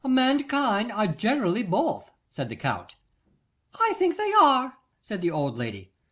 'Mankind are generally both,' said the Count. 'I think they are,' said the old lady.